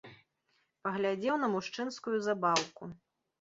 Паглядзеў на мужчынскую забаўку.